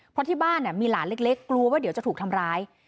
เพราะที่บ้านมีหลานเล็กกลัวว่าเดี๋ยวจะถูกทำร้าย